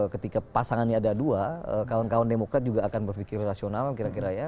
ketika pasangannya ada dua kawan kawan demokrat juga akan berpikir rasional kira kira ya